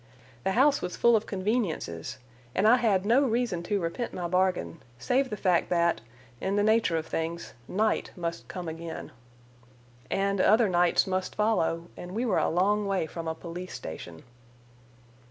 The house was full of conveniences, and I had no reason to repent my bargain, save the fact that, in the nature of things, night must come again. And other nights must follow—and we were a long way from a police station.